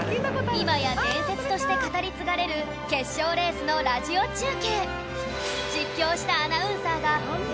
今や伝説として語り継がれる決勝レースのラジオ中継